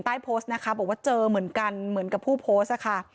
โพสต์นะคะบอกว่าเจอเหมือนกันเหมือนกับผู้โพสต์ค่ะ